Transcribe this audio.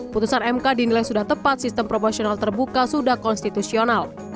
putusan mk dinilai sudah tepat sistem proporsional terbuka sudah konstitusional